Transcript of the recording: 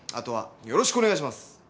後はよろしくお願いします。